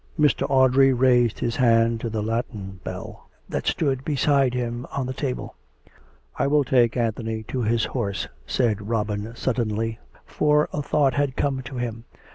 Mr. Audrey raised his hand to the latten bell that stood beside him on the table. " I will take Anthony to his horse," said Robin suddenly, for a thought had come to him.